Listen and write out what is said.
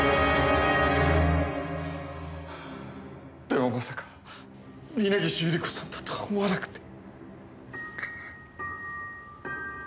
でもまさか峰岸百合子さんだとは思わなくて。